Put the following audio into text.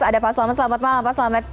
ada pak selamat malam pak selamat